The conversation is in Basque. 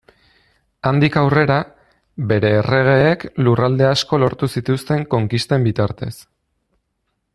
Handik aurrera, bere erregeek lurralde asko lortu zituzten konkisten bitartez.